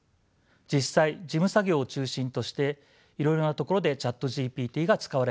実際事務作業を中心としていろいろなところでＣｈａｔＧＰＴが使われ始めています。